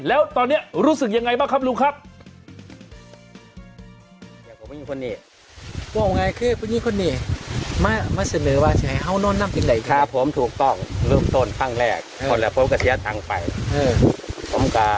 แล้วตอนนี้รู้สึกยังไงบ้างครับลุงครับ